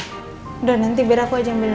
udah nanti biar aku aja yang beli